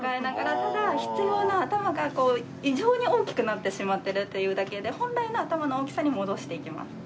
ただ必要な頭が異常に大きくなってしまってるっていうだけで本来の頭の大きさに戻していきます。